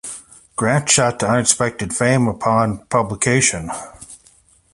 Grant shot to unexpected fame upon publication.